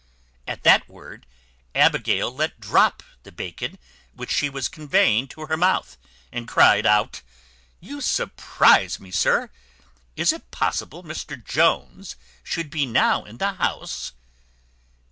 At that word, Abigail let drop the bacon which she was conveying to her mouth, and cried out, "You surprize me, sir! Is it possible Mr Jones should be now in the house?"